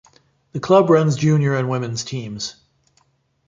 The club runs junior and women's teams.